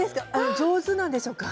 上手なんでしょうか。